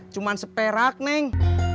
cuma seperak neng